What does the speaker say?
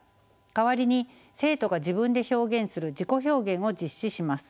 代わりに生徒が自分で表現する自己表現を実施します。